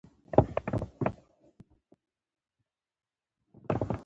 ما ویل: کومي سترګي ؟